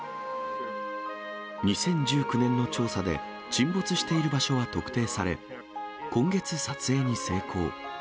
２０１９年の調査で、沈没している場所は特定され、今月、撮影に成功。